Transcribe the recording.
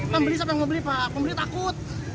pembeli siapa yang membeli pak pembeli takut